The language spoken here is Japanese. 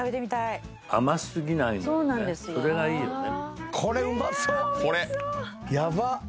それがいいよね。